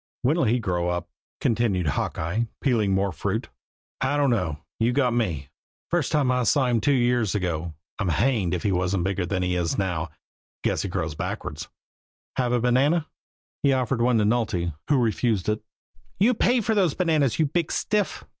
"When'll he grow up?" continued Hawkeye, peeling more fruit. "I don't know you've got me. The first time I saw him two years ago, I'm hanged if he wasn't bigger than he is now guess he grows backwards. Have a banana?" He offered one to Nulty, who refused it. "You pay for those bananas, you big stiff!"